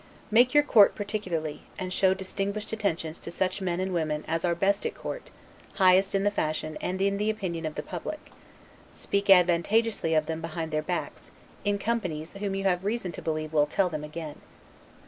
Make your court particularly, and show distinguished attentions to such men and women as are best at court, highest in the fashion, and in the opinion of the public; speak advantageously of them behind their backs, in companies whom you have reason to believe will tell them again.